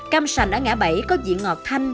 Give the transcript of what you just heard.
cam sành ở ngã bẫy có vị ngọt thanh